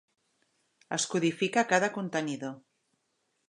Es codifica cada contenidor.